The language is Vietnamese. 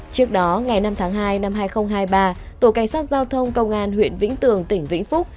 trước đó ngày năm tháng hai năm hai nghìn hai mươi ba tổ cảnh sát giao thông công an huyện vĩnh tường tỉnh vĩnh phúc